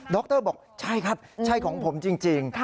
รบอกใช่ครับใช่ของผมจริง